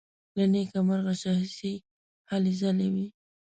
له نېکه مرغه شخصي هلې ځلې وې.